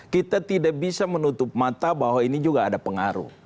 kita tidak bisa menutup mata bahwa ini juga ada pengaruh